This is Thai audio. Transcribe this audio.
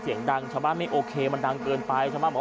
สนุกทางเฉพาะไม่โอเคมันดังเกินไปสนุกทางเฉพาะบอกว่า